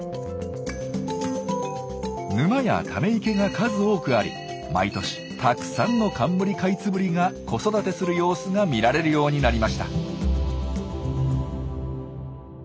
沼やため池が数多くあり毎年たくさんのカンムリカイツブリが子育てする様子が見られるようになりました。